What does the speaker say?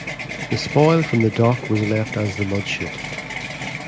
The spoil from the dock was left as the Mudchute.